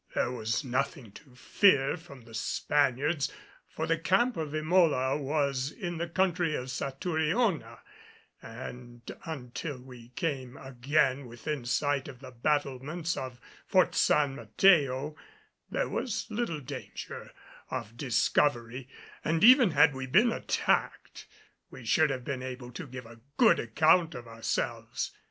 There was nothing to fear from the Spaniards, for the camp of Emola was in the country of Satouriona, and until we came again within sight of the battlements of Fort San Mateo, there was little danger of discovery; and even had we been attacked we should have been able to give a good account of ourselves.